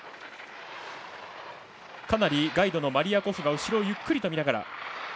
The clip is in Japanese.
かなりガイドのマリヤ・コフが後ろをゆっくりと見ながら。